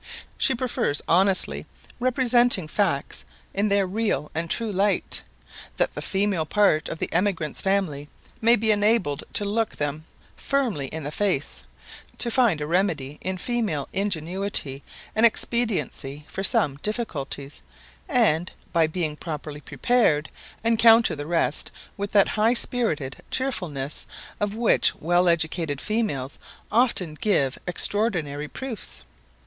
She prefers honestly representing facts in their real and true light, that the female part of the emigrant's family may be enabled to look them firmly in the face; to find a remedy in female ingenuity and expediency for some difficulties; and, by being properly prepared, encounter the rest with that high spirited cheerfulness of which well educated females often give extraordinary proofs.